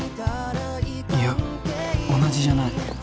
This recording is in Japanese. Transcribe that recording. いや同じじゃない。